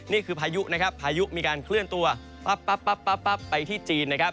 นี่คือพายุพายุมีการเคลื่อนตัวไปที่จีน